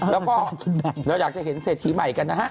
แล้วก็เราอยากจะเห็นเศรษฐีใหม่กันนะฮะ